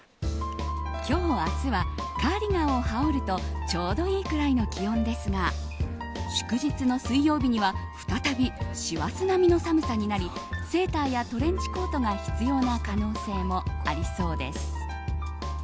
今日、明日はカーディガンを羽織るとちょうどいいくらいの気温ですが祝日の水曜日には再び師走並みの寒さになりセーターやトレンチコートが必要な可能性もありそうです。